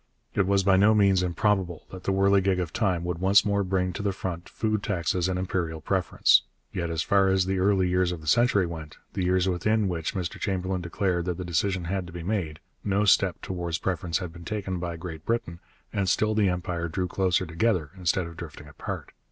It was by no means improbable that the whirligig of time would once more bring to the front food taxes and imperial preference. Yet as far as the early years of the century went, the years within which Mr Chamberlain declared that the decision had to be made, no step towards preference had been taken by Great Britain, and still the Empire drew closer together instead of drifting apart.